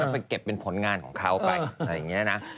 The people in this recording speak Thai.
ไปเก็บเป็นผลงานของเขาไปอะไรอย่างนี้นะ